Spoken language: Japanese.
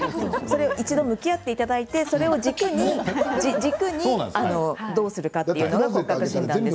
一度向き合っていただいてそれを軸にどうするかというのが骨格診断です。